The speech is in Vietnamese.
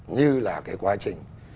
như là cái quá trình